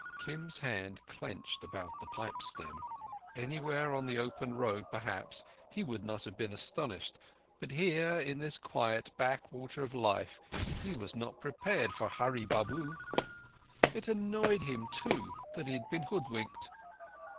Kim's hand clenched about the pipe stem. Anywhere on the open road, perhaps, he would not have been astonished; but here, in this quiet backwater of life, he was not prepared for Hurree Babu. It annoyed him, too, that he had been hoodwinked.